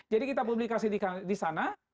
jadi kita publikasikan di sana